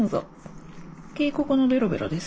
警告のベロベロです。